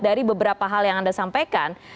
dari beberapa hal yang anda sampaikan